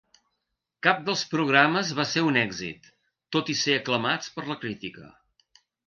Cap dels programes va ser un èxit, tot i ser aclamats per la crítica.